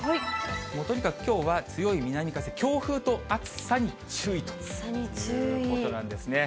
とにかくきょうは強い南風、強風と暑さに注意ということなん暑さに注意。